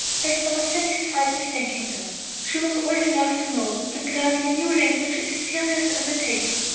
Hester was satisfied with thanking her. She was old enough to know that learning a new language is a serious undertaking.